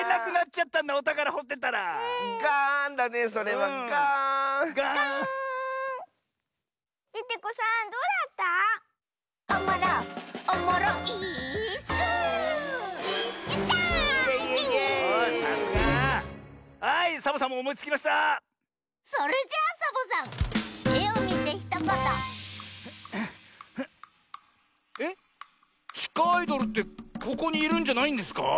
えっちかアイドルってここにいるんじゃないんですか？